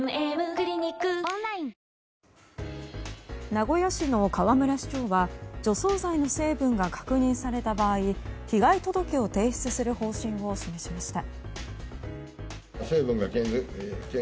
名古屋市の河村市長は除草剤の成分が確認された場合被害届を提出する方針を示しました。